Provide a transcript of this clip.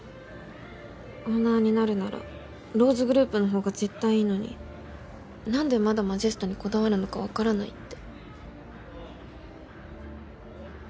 オーナーになるならＲＯＳＥグループのほうが絶対いいのに何でまだＭＡＪＥＳＴにこだわるのかわからないって。